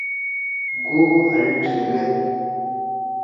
گو ہل ڙھیِگَدی۔